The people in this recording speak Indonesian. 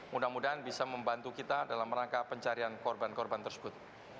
mudah mudahan bisa membantu kita dalam rangka pencarian korban korban tersebut